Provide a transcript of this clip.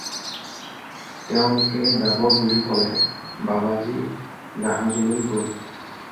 তেওঁলোকে যাব বুলি ক'লে, বাবাজী জাহাজলৈ গ'ল।